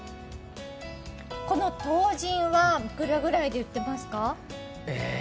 このトウジンはいくらぐらいで売ってますか？